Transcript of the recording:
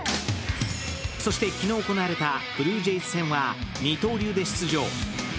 そして、昨日行われたブルージェイズ戦は二刀流で出場。